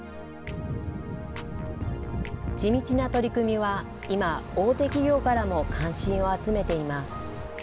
地道な取り組みは今、大手企業からも関心を集めています。